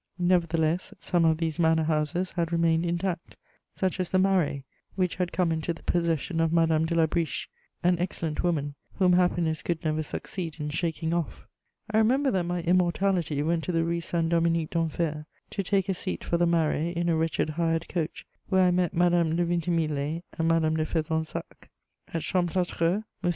Nevertheless, some of these manor houses had remained intact, such as the Marais, which had come into the possession of Madame de La Briche, an excellent woman, whom happiness could never succeed in shaking off. I remember that my immortality went to the Rue Saint Dominique d'Enfer to take a seat for the Marais in a wretched hired coach, where I met Madame de Vintimille and Madame de Fezensac. At Champlâtreux M.